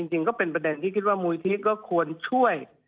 จริงก็เป็นประเด็นที่คิดว่ามูลที่ก็ควรช่วย